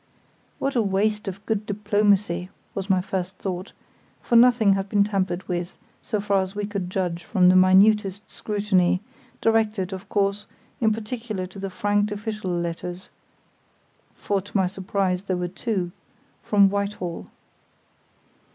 "What a waste of good diplomacy!" was my first thought, for nothing had been tampered with, so far as we could judge from the minutest scrutiny, directed, of course, in particular to the franked official letters (for to my surprise there were two) from Whitehall.